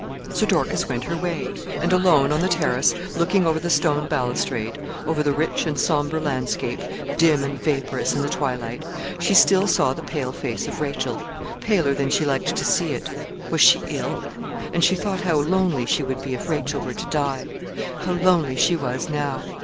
So Dorcas went her way; and alone, on the terrace, looking over the stone balustrade over the rich and sombre landscape, dim and vaporous in the twilight she still saw the pale face of Rachel paler than she liked to see it. Was she ill? and she thought how lonely she would be if Rachel were to die how lonely she was now.